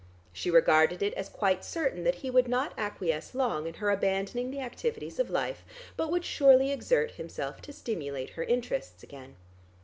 She regarded it as quite certain that he would not acquiesce long in her abandoning the activities of life, but would surely exert himself to stimulate her interests again.